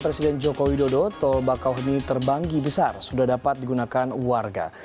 presiden joko widodo tol bakau ini terbanggi besar sudah dapat digunakan warga